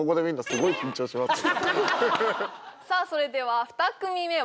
それでは２組目は？